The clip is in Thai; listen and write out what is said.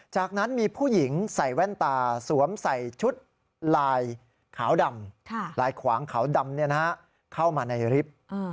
จากนั้นมีผู้หญิงใส่แว่นตาสวมใส่ชุดลายขาวดำลายขวางขาวดำเข้ามาในลิฟท์